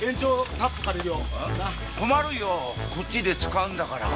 こっちで使うんだから。